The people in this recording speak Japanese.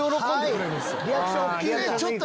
リアクション大きいんだ。